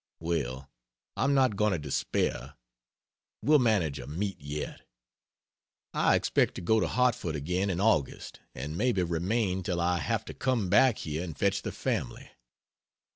Well, I'm not going to despair; we'll manage a meet yet. I expect to go to Hartford again in August and maybe remain till I have to come back here and fetch the family.